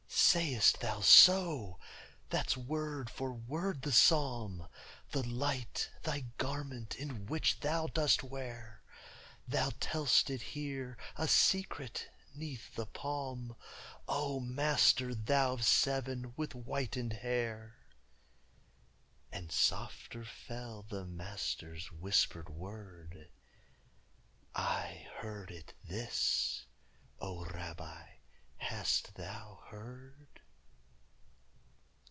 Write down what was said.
"Sayest thou so? That's word for word the psalm: 'The light Thy garment is which Thou dost wear.' Thou tell'st it here a secret 'neath the palm, O Master thou of seven with whitened hair!" _And softer fell the Master's whispered word: "I heard it this; O Rabbi, hast thou heard?"